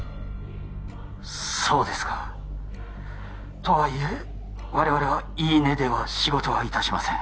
そうですかとはいえ我々は言い値では仕事はいたしません